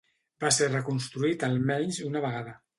Va ser reconstruït almenys una vegada.